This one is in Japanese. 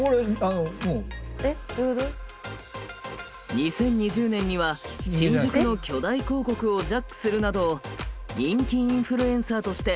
２０２０年には新宿の巨大広告をジャックするなど人気インフルエンサーとして世界を席けんし続けています。